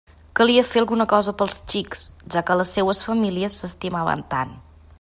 Calia fer alguna cosa pels xics, ja que les seues famílies s'estimaven tant.